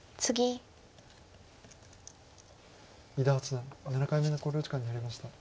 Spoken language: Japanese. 伊田八段７回目の考慮時間に入りました。